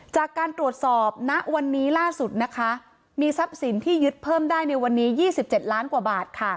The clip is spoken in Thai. จากการตรวจสอบณวันนี้ล่าสุดนะคะมีทรัพย์สินที่ยึดเพิ่มได้ในวันนี้๒๗ล้านกว่าบาท